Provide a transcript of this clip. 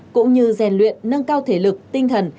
cũng như rèn luyện nâng cao thể lực tinh thần